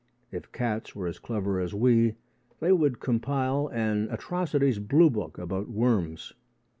If cats were as clever as we, they would compile an atrocities blue book about worms.